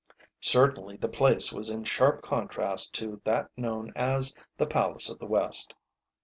Certainly the place was in sharp contrast to that known as the "Palace of the West."